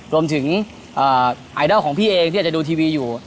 รวมถึงไอดอลของพี่เองที่อาจจะดูทีวีอยู่